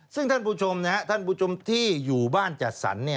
ซึ่งท่านผู้ชมที่อยู่บ้านจัดสรร